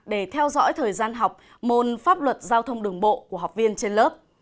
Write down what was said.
để theo dõi thời gian học môn pháp luật giao thông đường bộ của học viên trên lớp